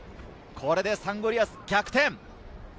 これでサンゴリアス逆転。